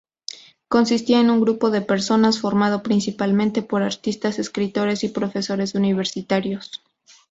Consistía en un grupo de personas, formado principalmente por artistas, escritores y profesores universitarios.